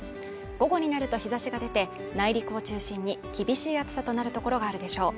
午後になると日差しが出て内陸を中心に厳しい暑さとなる所があるでしょう